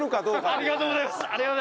ありがとうございます！